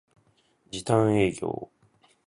時短営業